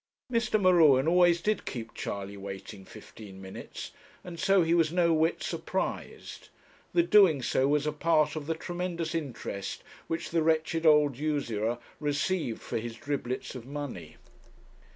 Mr. M'Ruen always did keep Charley waiting fifteen minutes, and so he was no whit surprised; the doing so was a part of the tremendous interest which the wretched old usurer received for his driblets of money.